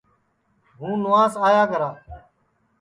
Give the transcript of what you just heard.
ہُوں نُواس آیا کرا